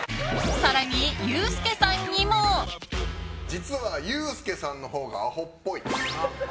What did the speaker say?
更に、ユースケさんにも。実はユースケさんのほうがアホっぽい。